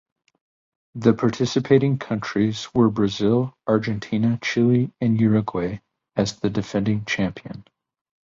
The participating countries were Brazil, Argentina, Chile and Uruguay as the defending champion.